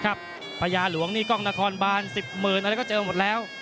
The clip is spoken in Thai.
ครับพระย่าหลวงนี่กองนครบาน๑๐เมตรนั่นก็เจอหมดแล้ว